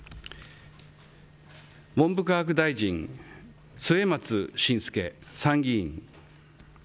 文部科学大臣、末松信介、参議院。